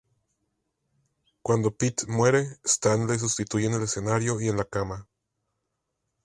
Cuando Pete muere, Stan le sustituye en el escenario y en la cama.